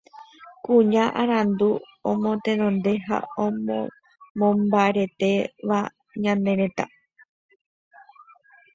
kuña arandu omotenonde ha omomombaretéva ñane retã